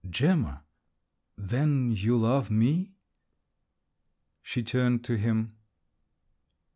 "Gemma? Then you love me?" She turned to him.